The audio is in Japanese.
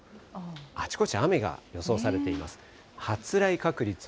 あちこち雨が予想されています。